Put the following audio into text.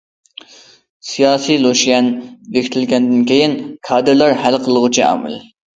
سىياسىي لۇشيەن بېكىتىلگەندىن كېيىن، كادىرلار ھەل قىلغۇچ ئامىل.